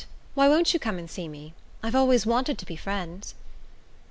Why won't you come and see me? I've always wanted to be friends."